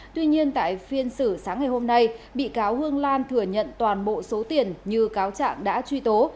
tuy nhiên tại phiên xử sáng ngày hôm nay bị cáo hương lan thừa nhận toàn bộ số tiền như cáo trạng đã truy tố